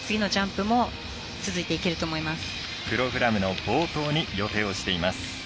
プログラムの冒頭に予定をしています。